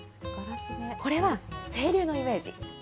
これは清流のイメージ。